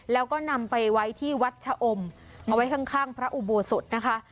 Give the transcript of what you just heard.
แล้วก็นำไปไว้ที่วัดชะอมเอาไว้ข้างพระอุโบสถนะคะ